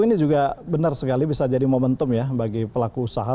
ini juga benar sekali bisa jadi momentum ya bagi pelaku usaha